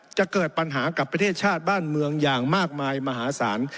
จะเกิดปัญหากับประเทศชาติบ้านเมืองอย่างมากมายมหาศาล